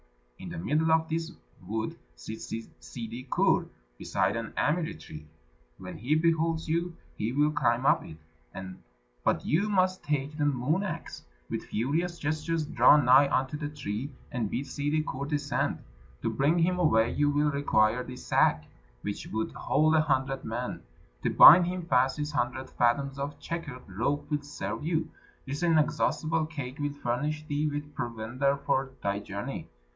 In the middle of this wood sits Ssidi Kur, beside an amiri tree. When he beholds you, he will climb up it, but you must take the moon axe, with furious gestures draw nigh unto the tree, and bid Ssidi Kur descend. To bring him away you will require this sack, which would hold a hundred men. To bind him fast this hundred fathoms of checkered rope will serve you. This inexhaustible cake will furnish thee with provender for thy journey.